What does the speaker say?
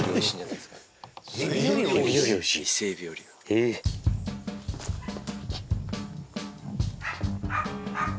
えっ。